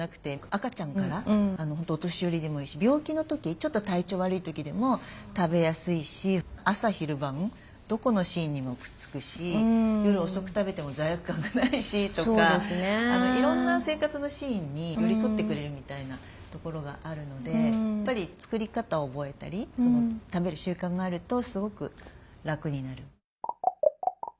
赤ちゃんから本当お年寄りにもいいし病気の時ちょっと体調悪い時でも食べやすいし朝昼晩どこのシーンにもくっつくし夜遅く食べても罪悪感がないしとかいろんな生活のシーンに寄り添ってくれるみたいなところがあるのでやっぱり作り方を覚えたり食べる習慣があるとすごく楽になる。